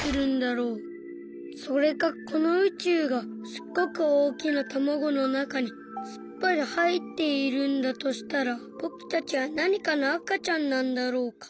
それかこのうちゅうがすっごくおおきなたまごのなかにすっぽりはいっているんだとしたらぼくたちはなにかのあかちゃんなんだろうか。